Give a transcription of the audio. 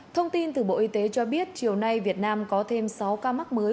thông tin từ bộ y tế cho biết chiều nay việt nam có thêm sáu ca mắc mới